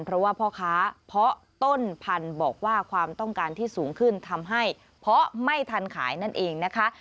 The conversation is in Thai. เพราะว่าพ่อค้าเพาะต้นพันธุ์บอกว่าความต้องการที่สูงขึ้นทำให้เพาะไม่ทันขายนั่นเองนะคะ